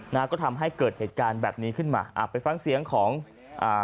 นะฮะก็ทำให้เกิดเหตุการณ์แบบนี้ขึ้นมาอ่าไปฟังเสียงของอ่า